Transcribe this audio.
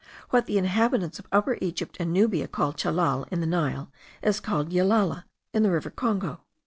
What the inhabitants of Upper Egypt and Nubia call chellal in the Nile, is called yellala in the River Congo.